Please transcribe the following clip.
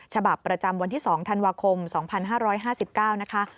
ฉบับประจำวันที่๒ธันวาคม๒๕๕๙นะคะ